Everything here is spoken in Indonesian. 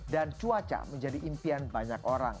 dan cuaca menjadi impian banyak orang